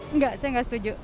enggak saya enggak setuju